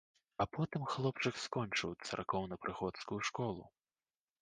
А потым хлопчык скончыў царкоўнапрыходскую школу.